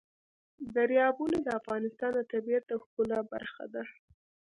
دریابونه د افغانستان د طبیعت د ښکلا برخه ده.